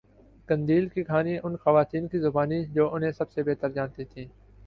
قندیل کی کہانی ان خواتین کی زبانی جو انہیں سب سےبہتر جانتی تھیں